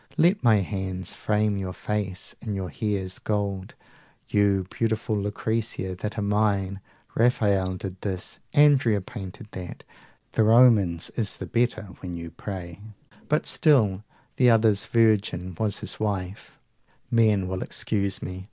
Let my hands frame your face in your hair's gold, 175 You beautiful Lucrezia that are mine! "Rafael did this, Andrea painted that; The Roman's is the better when you pray, But still the other's Virgin was his wife" Men will excuse me.